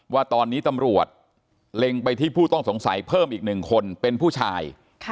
ว่าตอนนี้ตำรวจเล็งไปที่ผู้ต้องสงสัยเพิ่มอีก๑คนเป็นผู้ชาย